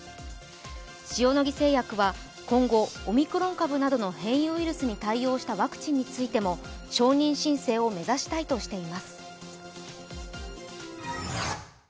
塩野義製薬は、今後、オミクロン株などの変異ウイルスに対応したワクチンについても、承認申請を目指したいとしています。